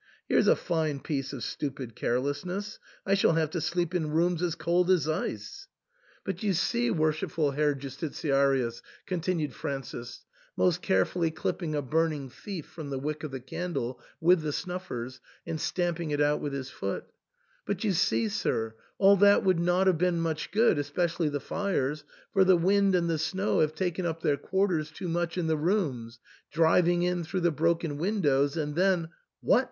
Here's a fine piece of stupid carelessness ! I shall have to sleep in rooms as cold as ice." "But you see, wor THE ENTAIL. 223 shipful Herr Justitiarius," continued Francis, most carefully clipping a burning thief from the wick of the candle with the snuffers and stamping it out with his foot, " but, you see, sir, all that would not have been of much good, especially the fires, for the wind and the snow have taken up their quarters too much in the rooms, driving in through the broken windows, and then "—'—" What